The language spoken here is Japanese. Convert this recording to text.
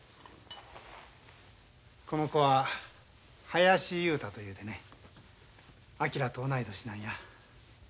この子は林雄太というてね昭と同い年なんや。